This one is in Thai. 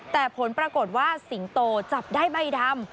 แต่ผลปรากฏว่าสิงโตจับได้ใบดำ